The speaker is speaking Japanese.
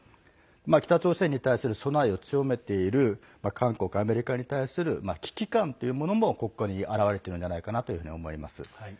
北朝鮮に対する備えを強めている韓国、アメリカに対する危機感というものもここに表れているのではないかと思います。